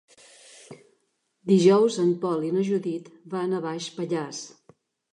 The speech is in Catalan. Dijous en Pol i na Judit van a Baix Pallars.